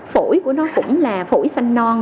phổi của nó cũng là phổi sanh non